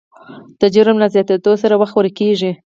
د جرم له زیاتېدو سره وخت ورو کېږي.